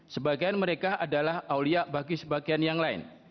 sebagian mereka adalah aulia bagi sebagian yang lain